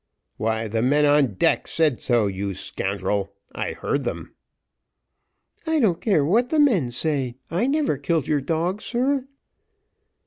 "Why, the men on deck said so, you scoundrel, I heard them." "I don't care what the men say; I never killed your dog, sir."